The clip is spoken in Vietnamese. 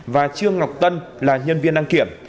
và trương ngọc tân là nhân viên đăng kiểm